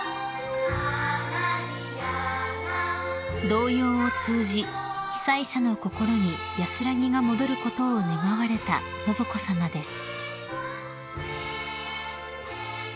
［童謡を通じ被災者の心に安らぎが戻ることを願われた信子さまです］